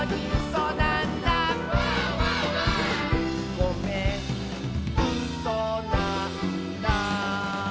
「ごめんうそなんだ」